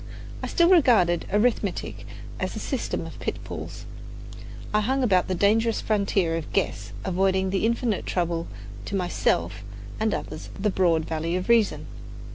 I still regarded arithmetic as a system of pitfalls. I hung about the dangerous frontier of "guess," avoiding with infinite trouble to myself and others the broad valley of reason.